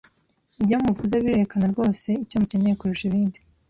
Ibyo muvuze birerekana rwose icyo mukeneye kurusha ibindi.